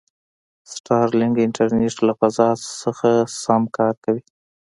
سټارلینک انټرنېټ له فضا شه سم کار کوي.